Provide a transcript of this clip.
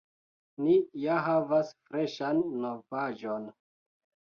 Ni ja havas freŝan novaĵon!